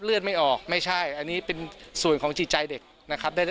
เลือดไม่ออกไม่ใช่อันนี้เป็นส่วนของจิตใจเด็กนะครับ